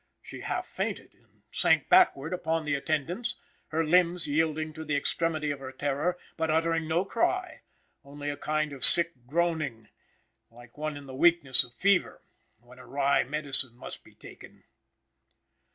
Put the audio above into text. She half fainted, and sank backward upon the attendants, her limbs yielding to the extremity of her terror, but uttering no cry, only a kind of sick groaning, like one in the weakness of fever, when a wry medicine must be taken.